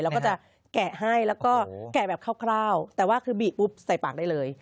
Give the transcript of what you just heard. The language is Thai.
แล้วก็จะแกะให้แล้วก็แกะแบบคร่าวแต่ว่าคือบีปุ๊บใส่ปากได้เลย